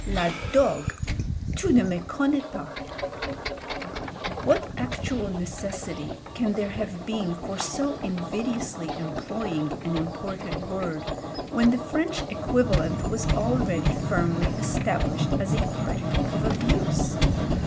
La dogue! tu ne me connais pas." What actual necessity can there have been for so invidiously employing an imported word, when the French equivalent was already firmly established as a particle of abuse?